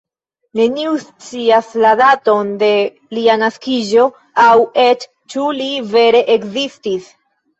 Neniu scias la daton de lia naskiĝo, aŭ eĉ ĉu li vere ekzistis.